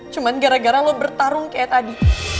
cuma gara gara lo bertarung kayak tadi